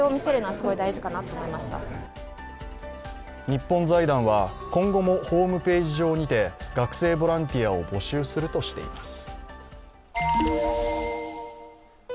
日本財団は、今後もホームページ上にて学生ボランティアを募集するとしています。